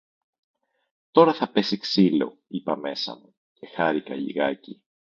«Τώρα θα πέσει ξύλο», είπα μέσα μου, και χάρηκα λιγάκι